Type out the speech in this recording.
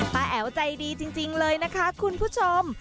แอ๋วใจดีจริงเลยนะคะคุณผู้ชม